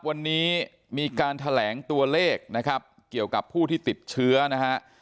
วันนี้มีการแถลงตัวเลขนะครับเกี่ยวกับผู้ที่ติดเชื้อนะฮะ